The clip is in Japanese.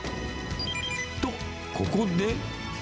と、ここで。